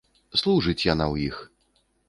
Служыць яна ў іх.